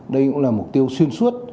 đây cũng là mục tiêu xuyên suốt